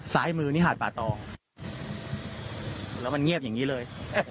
ซ้ายมือนี่หาดป่าตองแล้วมันเงียบอย่างนี้เลย